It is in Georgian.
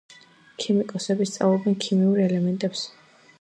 ქიმიკოსები სწავლობენ ქიმიურ ელემენტებს.